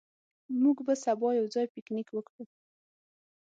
موږ به سبا یو ځای پکنیک وکړو.